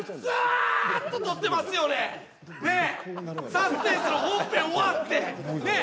サスペンスの本編終わってねえ